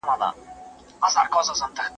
يووالی د بريا يوازينی راز دی.